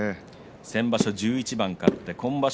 先場所１１番勝って今場所